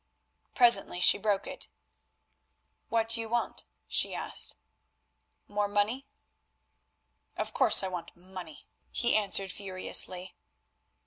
Presently she broke it. "What do you want?" she asked. "More money?" "Of course I want money," he answered furiously.